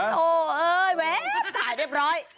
โอ้โหเว๊บถ่ายเรียบร้อย